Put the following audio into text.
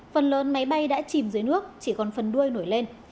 phần lớn máy bay đã chìm dưới nước chỉ còn phần đuôi nổi lên